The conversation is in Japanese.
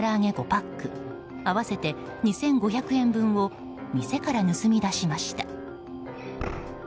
５パック合わせて２５００円分を店から盗み出しました。